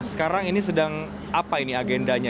sekarang ini sedang apa ini agendanya